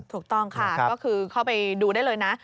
ถูกต้องค่ะก็คือเข้าไปดูได้เลยนะ